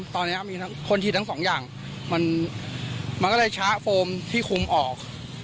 ตอนนี้มีคนฉีดทั้งสองอย่างมันก็เลยช้าโฟมที่คุมออก